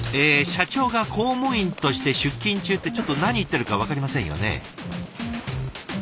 社長が公務員として出勤中ってちょっと何言ってるか分かりませんよね。